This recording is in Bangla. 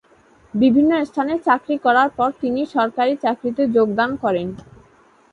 বিভিন্ন স্থানে চাকরি করার পর তিনি সরকারী চাকরিতে যোগদান করেন।